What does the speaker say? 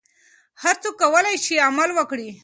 هر څوک کولای شي عمل وکړي.